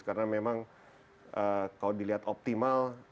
karena memang kalau dilihat optimal